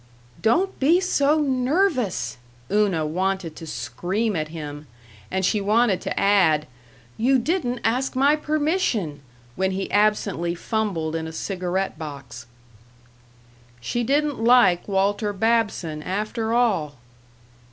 "Don't be so nervous!" Una wanted to scream at him, and she wanted to add, "You didn't ask my permission!" when he absently fumbled in a cigarette box. She didn't like Walter Babson, after all!